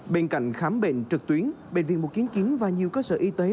bên cạnh khám bệnh trực tuyến bệnh viện mộng chính và nhiều cơ sở y tế